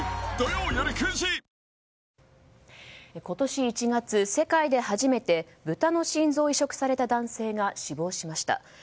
今年１月、世界で初めてブタの心臓を移植された男性が死亡しました。